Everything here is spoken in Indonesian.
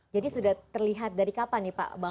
jadi sudah terlihat dari kapan nih pak bangun